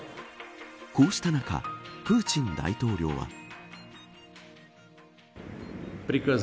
こうした中、プーチン大統領は。